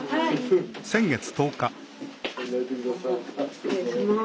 失礼します。